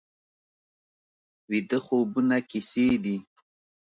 ویده خوبونه کیسې دي